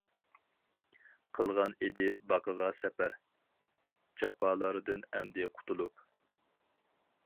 قىلغان ئىدى باقىغا سەپەر، جاپالاردىن ئەمدى قۇتۇلۇپ.